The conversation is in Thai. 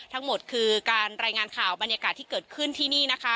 ทั้งหมดคือการรายงานข่าวบรรยากาศที่เกิดขึ้นที่นี่นะคะ